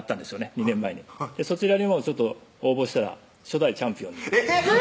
２年前にそちらにも応募したら初代チャンピオンにえっ！